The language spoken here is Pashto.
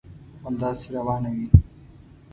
همداسي روانه وي.